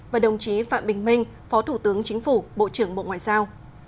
và đồng chí phạm bình minh phó thủ tướng chính phủ bộ trưởng bộ ngoại giao